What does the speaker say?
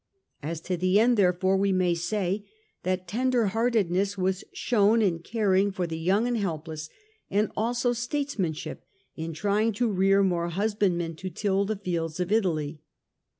As to the ^owment. end therefore we may say that tender heartedness was shown in caring for the young and helpless, and also states manship in trying to rear more husbandmen to till the fields of Italy.